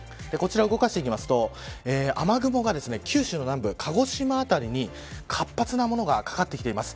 こちら動かしていくと雨雲が九州の南部鹿児島辺りに活発なものがかかってきています。